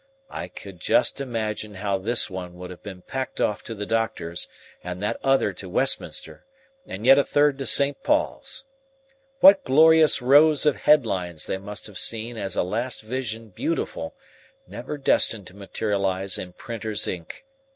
I could just imagine how this one would have been packed off to the doctors, and that other to Westminster, and yet a third to St. Paul's. What glorious rows of head lines they must have seen as a last vision beautiful, never destined to materialize in printer's ink!